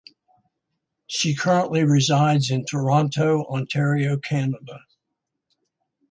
She currently resides in Toronto, Ontario, Canada.